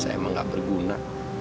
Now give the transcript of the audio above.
saya emang enggak berguna